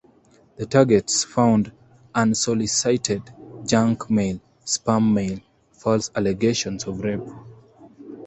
The targets found unsolicited junk-mail, spam mail, false allegations of rape.